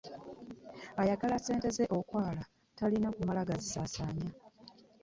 Ayagala sente ze okwala talina kuma gazisaasaanya.